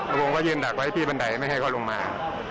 แล้วผมก็ยืนดักไว้ที่บันไดไม่ให้เขาลงมา